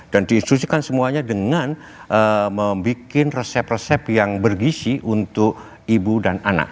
dan diinstruksikan semuanya dengan membuat resep resep yang bergisi untuk ibu dan anak